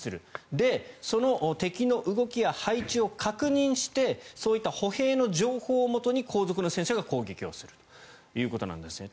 で、その敵の動きや配置を確認してそういった歩兵の情報をもとに後続の戦車が攻撃するということなんですね。